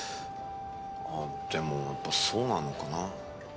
あでもやっぱそうなのかな。